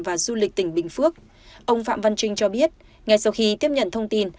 và du lịch tỉnh bình phước ông phạm văn trinh cho biết ngay sau khi tiếp nhận thông tin